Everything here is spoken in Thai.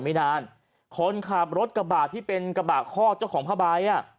ไม่นานคนขาบรถกระบะที่เป็นกระบะข้อเจ้าของพระบายอ่ะ